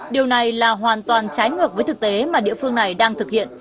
điều này là hoàn toàn trái ngược với thực tế mà địa phương này đang thực hiện